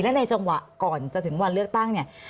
และในจังหวะก่อนจะถึงวันเลือกตั้งเนี่ย